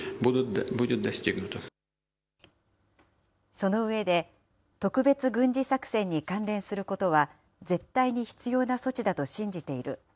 その上で、特別軍事作戦に関連することは、絶対に必要な措置だと信じている。